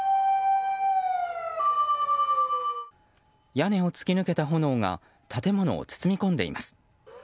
屋根を突き抜けた炎が建物を包み込んでいます。